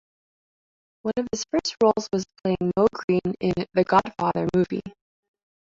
One of his first roles was playing Moe Greene in "The Godfather" movie.